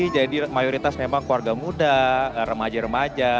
jadi mayoritas memang keluarga muda remaja remaja